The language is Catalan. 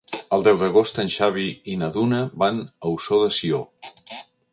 El deu d'agost en Xavi i na Duna van a Ossó de Sió.